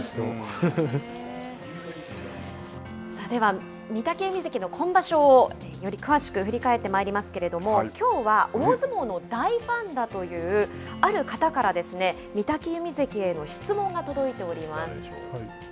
では、御嶽海関の今場所をより詳しく振り返ってまいりますけれどもきょうは大相撲の大ファンだというある方から御嶽海関への質問が届いております。